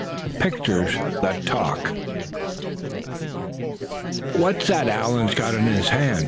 THE PICTURES THAT TALKED. "What's that Allan's got in his hand?"